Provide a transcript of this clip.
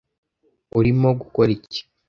Urimo gukora iki?